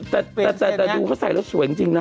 แต่ดูเขาใส่แล้วสวยจริงนะ